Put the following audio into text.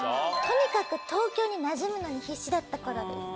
とにかく東京になじむのに必死だった頃です。